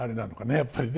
やっぱりね。